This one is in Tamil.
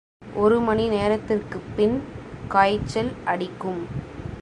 ஒரு மணி நேரத்திற்குப் பின் காய்ச்சல் அடிக்கும்.